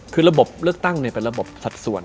คือระบบเลือกตั้งเป็นระบบสัดส่วน